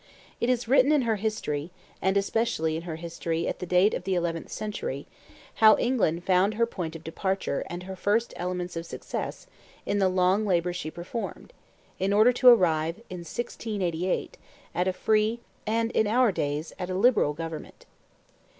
It is written in her history, and especially in her history at the date of the eleventh century, how England found her point of departure and her first elements of success in the long labor she performed, in order to arrive, in 1688, at a free, and, in our days, at a liberal government.